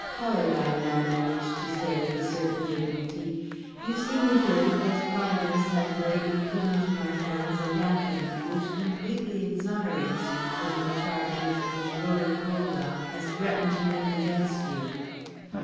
Pollard," I now managed to say with a certain dignity, "you see me here because Providence has lately put into my hands a document which completely exonerates you from the charges which Rhoda Colwell has threatened to make against you.